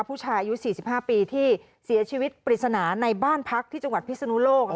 ผู้ชายอายุ๔๕ปีที่เสียชีวิตปริศนาในบ้านพักที่จังหวัดพิศนุโลก